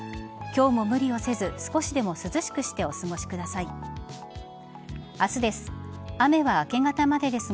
今日も無理をせず少しでも涼しくしてお過ごしください。明日です。